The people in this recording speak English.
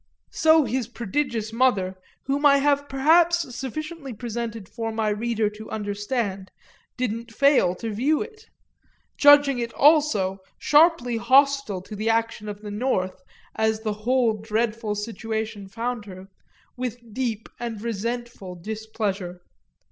So his prodigious mother, whom I have perhaps sufficiently presented for my reader to understand, didn't fail to view it judging it also, sharply hostile to the action of the North as the whole dreadful situation found her, with deep and resentful displeasure.